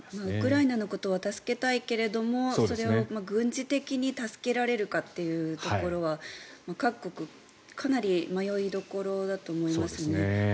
ウクライナのことは助けたいけれどもそれを軍事的に助けられるかというところは各国、かなり迷いどころだと思いますね。